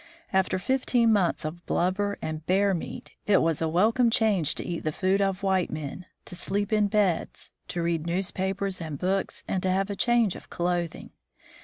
After fifteen months of blubber and bear meat, it was a welcome change to eat the food of white men, to sleep in beds, to read newspapers and books, and to have a change of clothing.